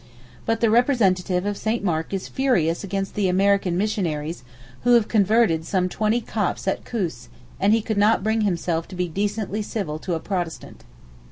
But the representative of St. Mark is furious against the American missionaries who have converted some twenty Copts at Koos, and he could not bring himself to be decently civil to a Protestant.